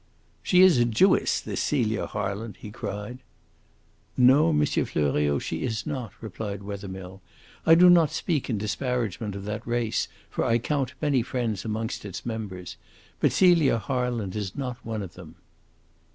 "She is a Jewess, this Celia Harland?" he cried. "No, M. Fleuriot, she is not," replied Wethermill. "I do not speak in disparagement of that race, for I count many friends amongst its members. But Celia Harland is not one of them."